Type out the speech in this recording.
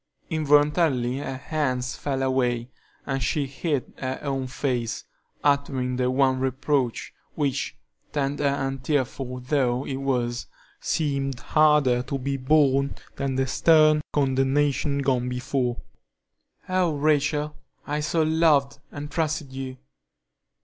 Involuntarily her hands fell away, and she hid her own face, uttering the one reproach, which, tender and tearful though it was, seemed harder to be borne than the stern condemnation gone before. "Oh, Rachel, I so loved and trusted you!"